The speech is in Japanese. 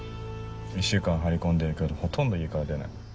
１週間張り込んでるけどほとんど家から出ない。